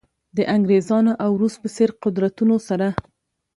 د انګریز او روس په څېر قدرتونو سره.